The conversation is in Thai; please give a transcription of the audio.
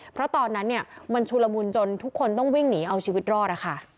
เพราะตอนนั้นมันชุลมุนจนทุกคนต้องวิ่งหนีเอาชีวิตรอด